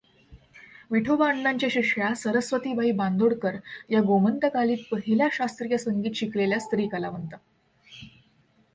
विठोबा अण्णांच्या शिष्या सरस्वतीबाई बांदोडकर या गोमंतकातील पहिल्या शास्त्रीय संगीत शिकलेल्या स्त्री कलावंत.